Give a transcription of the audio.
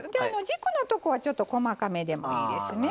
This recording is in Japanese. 軸のとこはちょっと細かめでもいいですね。